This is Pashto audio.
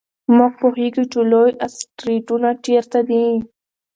موږ پوهېږو چې لوی اسټروېډونه چیرته دي.